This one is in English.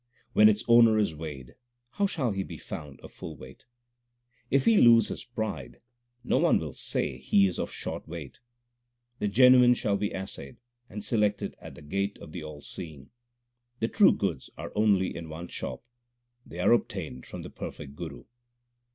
When its owner is weighed, how shall he be found of full weight ? If he lose his pride, no one will say he is of short weight. The genuine shall be assayed, and selected at the gate of the All seeing. The true goods are only in one shop ; they are obtained from the perfect Guru.